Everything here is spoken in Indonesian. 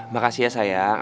makasih ya sayang